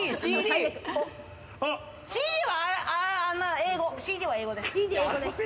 ＣＤは英語です。